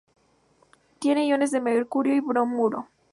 Tiene iones de mercurio y bromuro.